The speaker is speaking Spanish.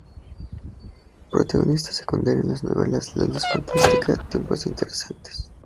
Protagonista secundario en las novelas "La luz fantástica", "Tiempos interesantes".